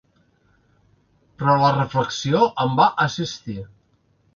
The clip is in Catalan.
Però la reflexió em va assistir.